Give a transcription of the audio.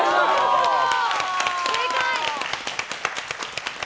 正解！